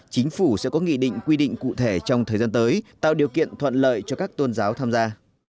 chính phủ sẽ có nghị định quy định cụ thể trong thời gian tới tạo điều kiện thuận lợi cho các tôn giáo tham gia